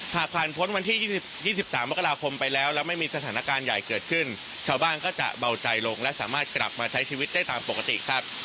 หากผ่านพ้นวันที่๒๓มกราคมไปแล้วแล้วไม่มีสถานการณ์ใหญ่เกิดขึ้นชาวบ้านก็จะเบาใจลงและสามารถกลับมาใช้ชีวิตได้ตามปกติครับ